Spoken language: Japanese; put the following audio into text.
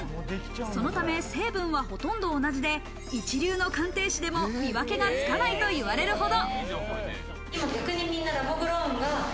そのため成分はほとんど同じで、一流の鑑定士でも見分けがつかないと言われるほど。